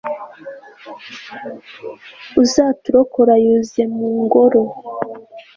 uzaturokora yuze mungoro